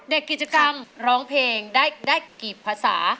กิจกรรมร้องเพลงได้กี่ภาษา